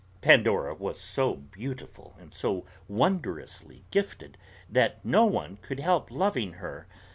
Pandora was so beautiful and so wondrously gifted that no one could help loving her.